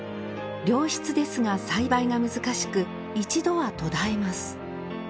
良質ですが栽培が難しく一度は途絶えます。